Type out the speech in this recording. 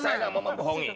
saya tidak mau membohongi